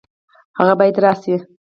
هغه باید راشي